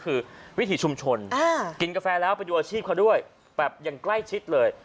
คือวิถีชุมชนกินกาแฟแล้วไปดูอาชีพเขาด้วยแบบอย่างใกล้ชิดเลย